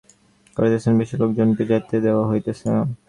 স্বামীজী উপরের ঘরে বিশ্রাম করিতেছেন, বেশী লোকজনকে যাইতে দেওয়া হইতেছে না।